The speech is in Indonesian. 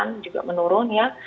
kemungkinan juga menurun